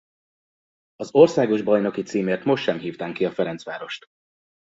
Az országos bajnoki címért most sem hívták ki a Ferencvárost.